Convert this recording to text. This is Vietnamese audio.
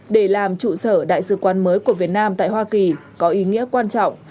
để làm trụ sở đại sứ quán mới của việt nam tại hoa kỳ có ý nghĩa quan trọng